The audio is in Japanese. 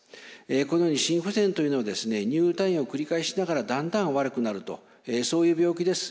このように心不全というのは入退院を繰り返しながらだんだん悪くなるとそういう病気です。